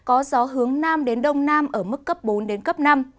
ở mức cấp bốn đến cấp năm